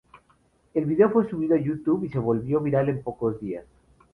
El video fue subido a YouTube y se volvió viral en pocos días.